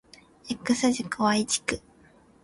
X 軸 Y 軸